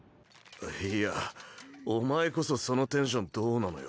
いやお前こそそのテンションどうなのよ？